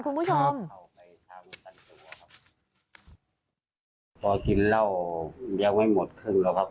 โทษอยู่ท้ายรถแต่ชาวบ้านออกไว้ดูอยู่ครับ